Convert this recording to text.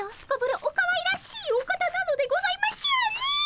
おかわいらしいお方なのでございましょうねえ！